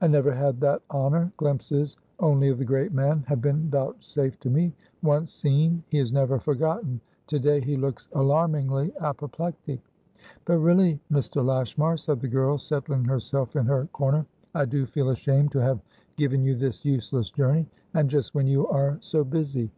"I never had that honour. Glimpses only of the great man have been vouchsafed to me. Once seen, he is never forgotten. To day he looks alarmingly apoplectic." "But really, Mr. Lashmar," said the girl, settling herself in her corner, "I do feel ashamed to have given you this useless journeyand just when you are so busy."